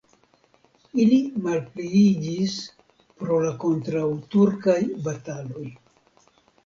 Ili malpliiĝis pro la kontraŭturkaj bataloj.